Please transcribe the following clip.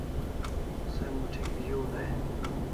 Se moth'ik zu dai